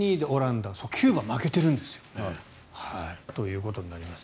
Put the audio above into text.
キューバ負けてるんですよということになります。